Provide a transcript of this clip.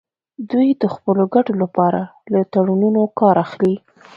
دوی د خپلو ګټو لپاره له تړونونو کار اخلي